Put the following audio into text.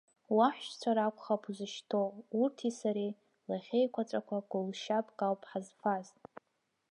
Уаҳәшьцәа ракәхап узышьҭоу, урҭи сареи, лахьеиқәаҵәақәа, гәылшьапк ауп ҳазфаз.